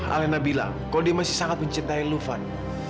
elena bilang kalau dia masih sangat mencintai lu fad